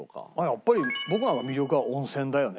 やっぱり僕は魅力は温泉だよね。